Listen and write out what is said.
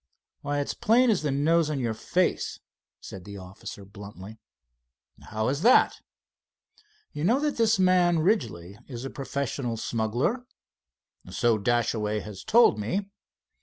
"Why, it's plain as the nose on your face," said the officer bluntly. "How is that?" "You know that this man, Ridgely, is a professional smuggler?" "So Dashaway has told me."